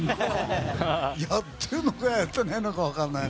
やってるのかやってないのか分からないね。